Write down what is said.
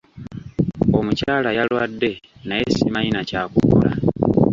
Omukyala yalwadde naye simanyi na kyakukola.